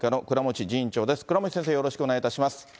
倉持先生、よろしくお願いします。